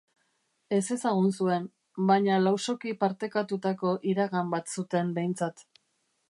Ezezagun zuen, baina lausoki partekatutako iragan bat zuten behintzat.